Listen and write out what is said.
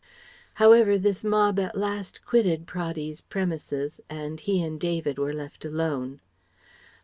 ] However this mob at last quitted Praddy's premises and he and David were left alone.